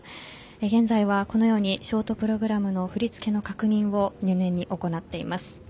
現在は、このようにショートプログラムの振付の確認を入念に行っています。